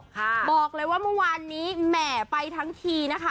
บอกเลยว่าเมื่อวานนี้แหม่ไปทั้งทีนะคะ